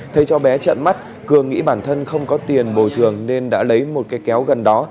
thấy cho bé trận mắt cường nghĩ bản thân không có tiền bồi thường nên đã lấy một cái kéo gần đó